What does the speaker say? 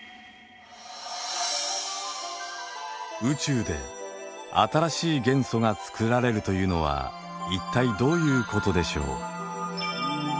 宇宙で新しい元素が作られるというのは一体どういうことでしょう。